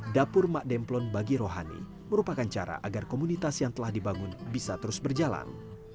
dapur mak demplon bagi rohani merupakan cara agar komunitas yang telah dibangun bisa terus berjalan